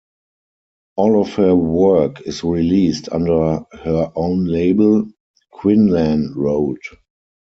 All of her work is released under her own label, Quinlan Road.